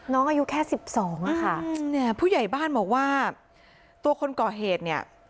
อายุแค่สิบสองอ่ะค่ะเนี่ยผู้ใหญ่บ้านบอกว่าตัวคนก่อเหตุเนี่ย